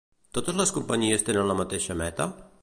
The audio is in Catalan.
Totes les companyies tenen la mateixa meta?